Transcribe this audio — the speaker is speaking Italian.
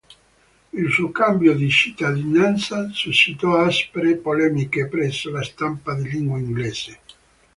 Il suo cambio di cittadinanza suscitò aspre polemiche presso la stampa di lingua inglese.